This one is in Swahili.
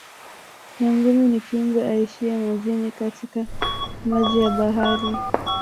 Nyangumi ni kiumbe aishiye majini katika maji ya bahari